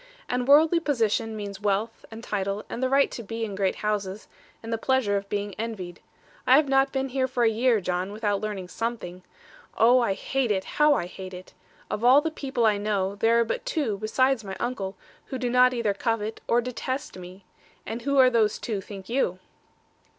And worldly position means wealth, and title, and the right to be in great houses, and the pleasure of being envied. I have not been here for a year, John, without learning something. Oh, I hate it; how I hate it! Of all the people I know, there are but two, besides my uncle, who do not either covet, or detest me. And who are those two, think you?'